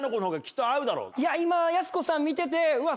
今やす子さん見てて。